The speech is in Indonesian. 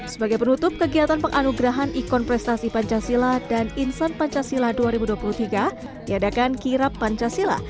sebagai penutup kegiatan penganugerahan ikon prestasi pancasila dan insan pancasila dua ribu dua puluh tiga diadakan kirap pancasila